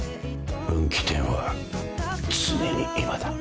分岐点は常に今だ